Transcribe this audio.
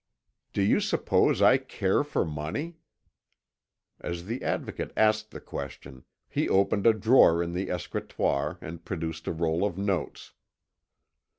"Do you suppose I care for money?" As the Advocate asked the question, he opened a drawer in the escritoire, and produced a roll of notes.